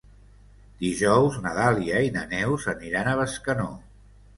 Dijous na Dàlia i na Neus aniran a Bescanó.